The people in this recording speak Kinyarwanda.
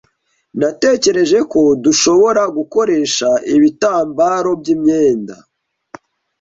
Natekereje ko dushobora gukoresha ibitambaro by'imyenda.